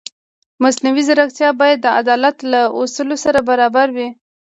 مصنوعي ځیرکتیا باید د عدالت له اصولو سره برابره وي.